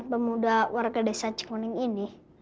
pemuda warga desa cikuning ini